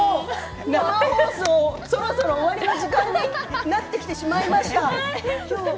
生放送、そろそろ終わりの時間になってしまいました。